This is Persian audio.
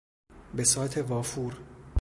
بساط وافور